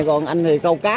còn anh thì câu cá